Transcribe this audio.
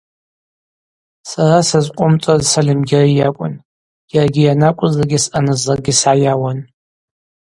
Сара сызкъвымцӏуаз Сальымгьари йакӏвын, йаргьи йанакӏвызлакӏгьи съанызлакӏгьи сгӏайауан.